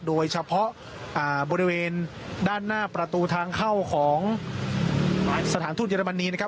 โดยเฉพาะบริเวณด้านหน้าประตูทางเข้าของสถานทูตเยอรมนีนะครับ